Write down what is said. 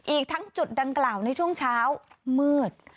อีกทั้งจุดดังกล่าวในช่วงเช้ามืด